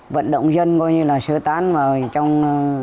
vận động dân coi như là sơ tán vào trong